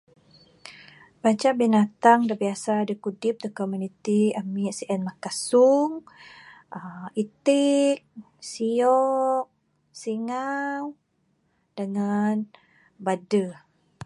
Banca binatang da kudip da komuniti ami sien mah kasung uhh itik siok singau dangan badeh